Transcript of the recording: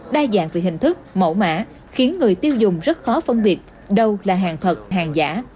đa dạng về hình thức mẫu mã khiến người tiêu dùng rất khó phân biệt đâu là hàng thật hàng giả